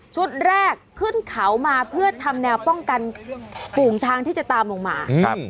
แรกขึ้นเขามาเพื่อทำแนวป้องกันฝูงช้างที่จะตามลงมาครับ